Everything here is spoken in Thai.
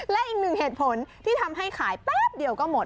และอีกหนึ่งเหตุผลที่ทำให้ขายแป๊บเดียวก็หมด